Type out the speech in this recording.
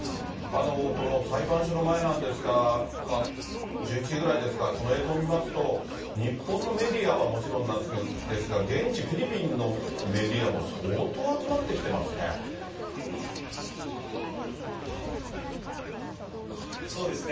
この裁判所の前なんですが、１１時ぐらいですか、その映像を見ますと、日本のメディアはもちろんなんですが、現地、フィリピンのメディアも相当集まってきてますね。